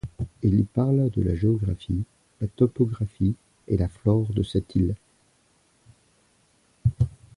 Il y parle de la géographie, la topographie et la flore de cette île.